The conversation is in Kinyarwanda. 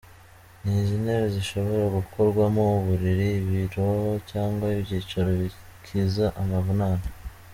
Izi ntebe zishobora gukorwamo uburiri, ibiro cyangwa ibyicaro bikiza amavunane.